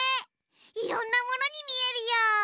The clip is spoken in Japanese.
いろんなものにみえるよ。